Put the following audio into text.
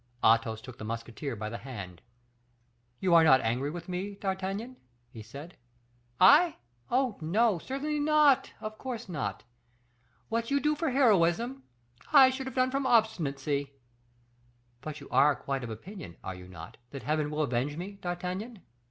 Athos took the musketeer by the hand. "You are not angry with me, D'Artagnan?" he said. "I! oh, no! certainly not; of course not. What you do for heroism, I should have done from obstinacy." "But you are quite of opinion, are you not, that Heaven will avenge me, D'Artagnan?"